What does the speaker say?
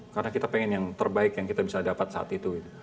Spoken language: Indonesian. karena kita pengen yang terbaik yang kita bisa dapat saat itu